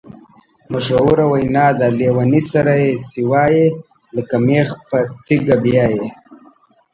مشهوره وینا ده: لېوني سره یې چې وایې لکه مېخ په تیګه بیایې.